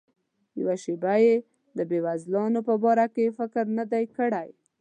یوه شیبه یې د بېوزلانو په باره کې فکر نه دی کړی.